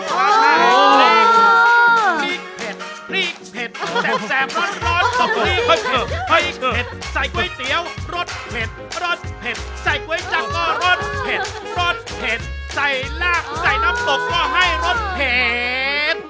พริกเผ็ดพริกเผ็ดแซ่บร้อนกับพริกก็คือเผ็ดใส่ก๋วยเตี๋ยวรสเผ็ดรสเผ็ดใส่ก๋วยจังก็ร่อนเผ็ดรสเผ็ดใส่ลากใส่น้ำตกก็ให้รสเผ็ด